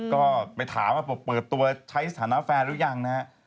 ก็ไปถามว่าเปิดตัวใช้สถานะแฟนหรือยังนะฮะ